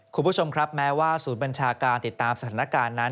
คุณผู้ชมครับแม้ว่าศูนย์บัญชาการติดตามสถานการณ์นั้น